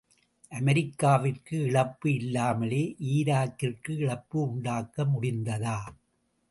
அமெரிக்காவிற்கு இழப்பு இல்லாமலே ஈராக்கிற்கு இழப்பு உண்டாக்க முடிந்ததா?